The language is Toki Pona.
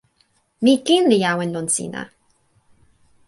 mi kin li awen lon sina.